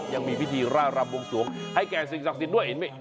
ยังมีพิธีรารมท์วงศลวงให้แก่สิทธิศกษิศด้วยเห็นมั้ย